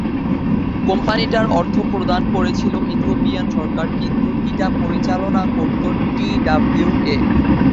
Company টার অর্থ প্রদান করেছিল ইথিওপিয়ান সরকার কিন্তু ইটা পরিচালনা করত টি ডাব্লিউ এ।